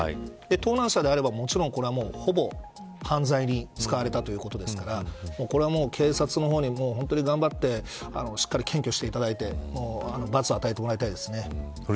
盗難車であれば、もちろんこれはほぼ犯罪に使われたということですからこれは警察の方に頑張ってしっかり検挙していただいて罰を与えてもらいたいですね。